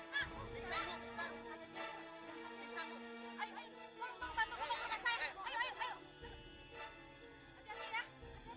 terima kasih ibu